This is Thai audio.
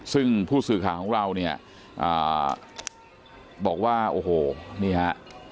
ซึ่งผู้สื่อข่าวของเราเนี่ยบอกว่าโอ้โหนี่ฮะ